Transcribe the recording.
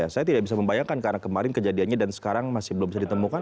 saya tidak bisa membayangkan karena kemarin kejadiannya dan sekarang masih belum bisa ditemukan